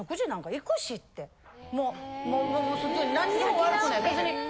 もう普通に何も悪くない別に。